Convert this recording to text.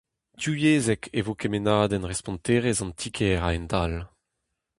Divyezhek e vo kemennadenn responterez an ti-kêr a-hend-all.